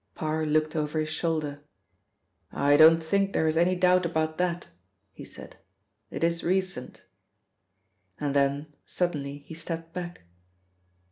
Parr looked over his shoulder. "I don't think there is any doubt about that," he said. "It is recent." And then suddenly he stepped back.